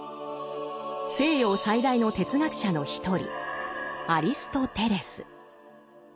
西洋最大の哲学者の一人アリストテレス。